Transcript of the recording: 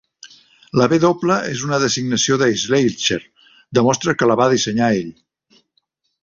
La "W" en una designació de Schleicher demostra que la va dissenyar ell.